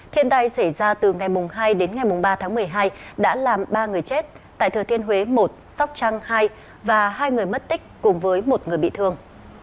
thiên tai xảy ra từ ngày hai đến ngày ba tháng một mươi hai đã làm ba người chết tại thừa thiên huế một sóc trăng hai và hai người mất tích cùng với một người bị thương